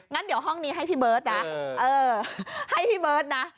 งั้นเดี๋ยวห้องนี้ให้พี่เบิร์ตนะเออให้พี่เบิร์ตนะ